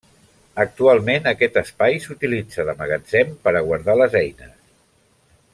Actualment aquest espai s’utilitza de magatzem per a guardar les eines.